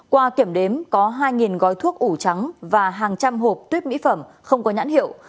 qua kiểm đếm có hai gói thuốc ủ trắng và hàng trăm hộp tuyết mỹ phẩm không có nhãn hiệu